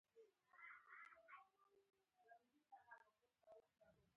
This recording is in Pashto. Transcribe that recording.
ایا زما ځیګر به ښه شي؟